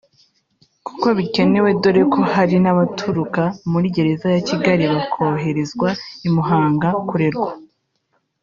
kuko bikenewe dore ko hari n’abaturuka muri gereza ya Kigali bakoherezwa i Muhanga kurerwa